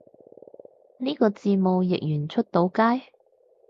呢個字幕譯完出到街？